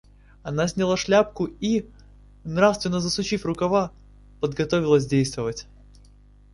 Она сняла шляпку и, нравственно засучив рукава, приготовилась действовать.